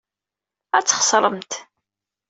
Ad txeṣremt.